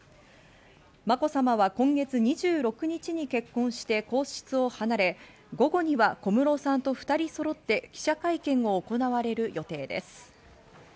まこさまは今月２６日に結婚して皇室を離れ、午後には小室さんと２人そろって記者会見を行われる予定です。